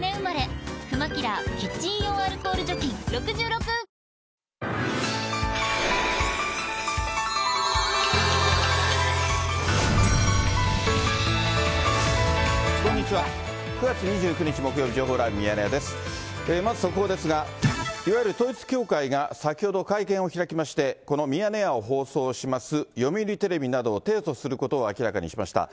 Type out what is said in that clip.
まず速報ですが、いわゆる統一教会が先ほど会見を開きまして、このミヤネ屋を放送します読売テレビなどを提訴することを明らかにしました。